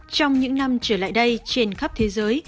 trong những năm trở lại đây trên khắp thế giới